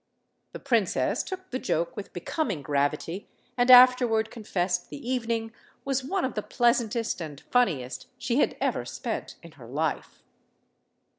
The princess took the joke with becoming gravity, and afterward confessed the evening was one of the pleasantest and funniest she had ever spent in her life.